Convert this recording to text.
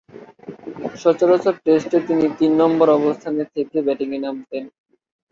সচরাচর টেস্টে তিন নম্বর অবস্থানে থেকে ব্যাটিংয়ে নামতেন।